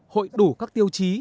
hội đủ các tiêu chí